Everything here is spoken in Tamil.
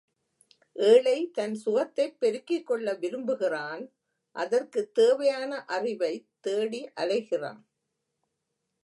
ஏழை தன் சுகத்தைப் பெருக்கிக்கொள்ள விரும்புகிறான் அதற்குத் தேவையான அறிவைத் தேடி அலைகிறான்.